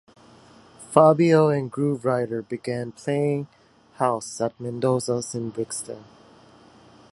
Fabio and Grooverider began playing house at Mendoza's in Brixton.